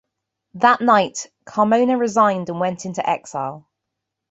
That night, Carmona resigned and went into exile.